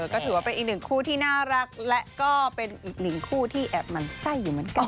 ก็ถือว่าเป็นอีกหนึ่งคู่ที่น่ารักและก็เป็นอีกหนึ่งคู่ที่แอบหมั่นไส้อยู่เหมือนกัน